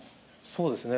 そうですね。